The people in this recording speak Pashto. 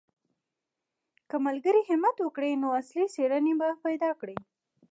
که ملګري همت وکړي نو اصلي څېړنې به پیدا کړي.